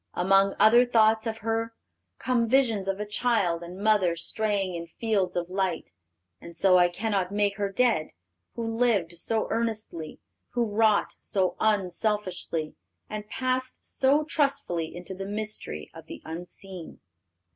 Among other thoughts of her come visions of a child and mother straying in fields of light. And so I cannot make her dead, who lived so earnestly, who wrought so unselfishly, and passed so trustfully into the mystery of the unseen."